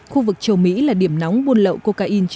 khu vực châu mỹ là điểm nóng buôn lậu cocaine chín